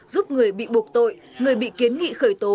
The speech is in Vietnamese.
giúp người bị buộc tội người bị kiến nghị khởi tố